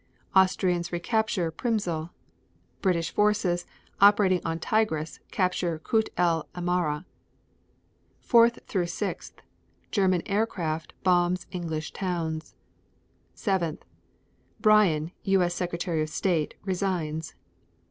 Austrians recapture Przmysl. 3. British forces operating on Tigris capture Kut el Amara. 4 6. German aircraft bombs English towns. 7. Bryan, U. S. Secretary of State, resigns.